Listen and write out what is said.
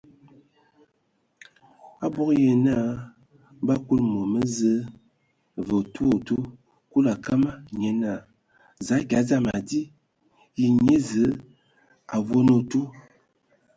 Abog yǝ naa bə akuli mom mə Zəə vǝ otu otu Kulu a kama, nye naa: Za akyaɛ, dzam adi! Ye nyia Zǝə a avoŋan otu?